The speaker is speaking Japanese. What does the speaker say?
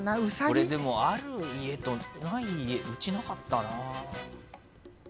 これある家とない家うちなかったな。